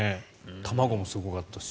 卵もすごかったし。